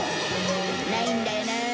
ないんだよなあ。